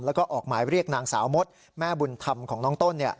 แล้วก็ออกหมายเรียกนางสาวมดแม่บุญธรรมของน้องต้น